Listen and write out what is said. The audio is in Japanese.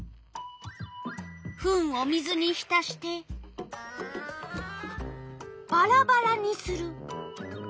フンを水にひたしてバラバラにする。